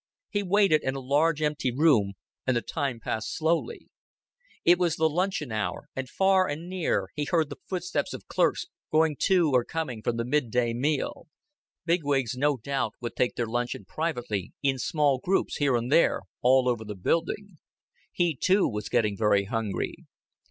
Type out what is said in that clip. He waited in a large empty room, and the time passed slowly. It was the luncheon hour, and far and near he heard the footsteps of clerks going to and coming from the midday meal. Bigwigs no doubt would take their luncheon privately, in small groups, here and there, all over the building. He too was getting very hungry.